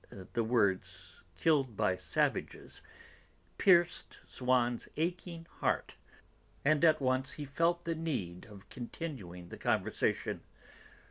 The words 'killed by savages' pierced Swann's aching heart; and at once he felt the need of continuing the conversation.